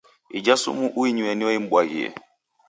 Ija sumu uinyue niyo imbwaghie.